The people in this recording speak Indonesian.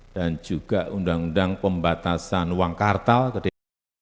dan juga undang undang pembatasan uang kartal ke dpr